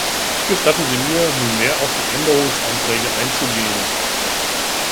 Gestatten Sie mir, nunmehr auf die Änderungsanträge einzugehen.